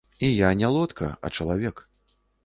І я не лодка, а чалавек.